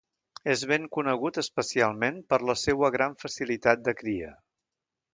És ben conegut especialment per la seua gran facilitat de cria.